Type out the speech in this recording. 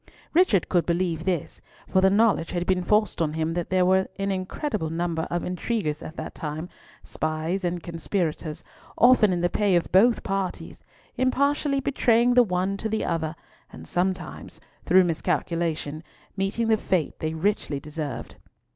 Richard could believe this, for the knowledge had been forced on him that there were an incredible number of intriguers at that time, spies and conspirators, often in the pay of both parties, impartially betraying the one to the other, and sometimes, through miscalculation, meeting the fate they richly deserved.